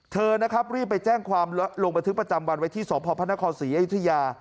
เธอนะครับรีบไปแจ้งความลงบันทึกประจำวันไว้ที่สพพระนครศรีอยุธยา